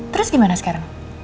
terus gimana sekarang